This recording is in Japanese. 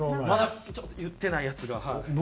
まだ言ってないやつがはい。